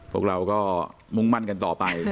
พวกเราก็มุ่งมั่นกันต่อไป